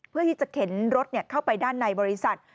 ที่จะเข็นรถเข้าไปด้านในบริษัท